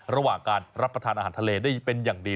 ระหว่างการรับประทานอาหารทะเลได้เป็นอย่างดี